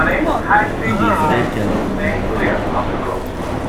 Il est vrai qu'alors on ne les voyait pas.